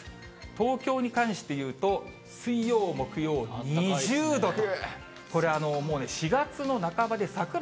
東京に関していうと、水曜、木曜、２０度と。